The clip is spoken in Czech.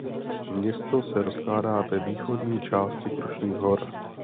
Město se rozkládá ve východní části Krušných hor.